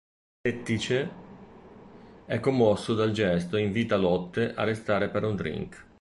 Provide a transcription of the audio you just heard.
Lettice è commosso dal gesto e invita Lotte a restare per un drink.